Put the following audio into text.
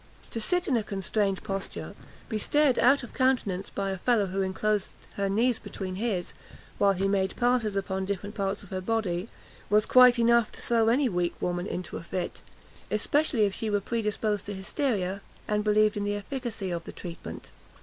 To sit in a constrained posture be stared out of countenance by a fellow who enclosed her knees between his, while he made passes upon different parts of her body, was quite enough to throw any weak woman into a fit, especially if she were predisposed to hysteria, and believed in the efficacy of the treatment.